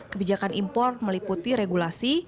kebijakan impor meliputi regulasi